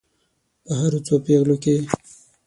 په هرو څو پیغلو کې.